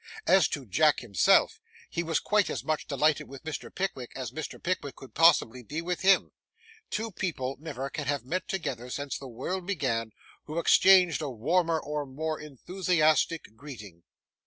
As to Jack himself, he was quite as much delighted with Mr. Pickwick as Mr. Pickwick could possibly be with him. Two people never can have met together since the world began, who exchanged a warmer or more enthusiastic greeting.